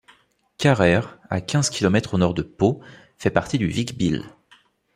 Carrère, à quinze kilomètres au nord de Pau fait partie du Vic-Bilh.